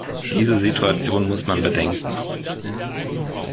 Diese Situation muss man bedenken.